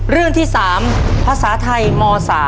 เรื่องที่๓ภาษาไทยม๓